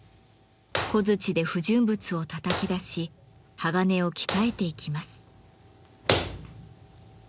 小づちで不純物をたたき出し鋼を鍛えていきます。